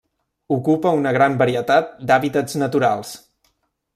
Ocupa una gran varietat d'hàbitats naturals.